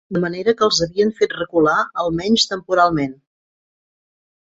De manera que els havíem fet recular, almenys temporalment.